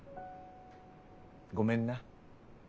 ごめんな。